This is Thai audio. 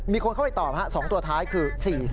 มีคนเข้าไปตอบ๒ตัวท้ายคือ๔๔